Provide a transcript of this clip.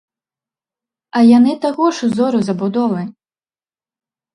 А яны таго ж узору забудовы!